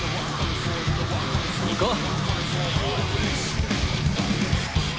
行こう。